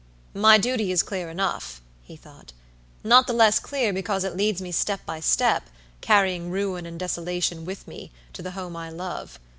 "My duty is clear enough," he thought"not the less clear because it leads me step by step, carrying ruin and desolation with me, to the home I love.